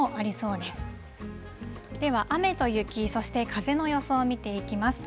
では、雨と雪、そして風の予想を見ていきます。